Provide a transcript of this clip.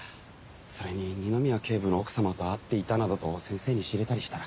それに二宮警部の奥様と会っていたなどと先生に知れたりしたら。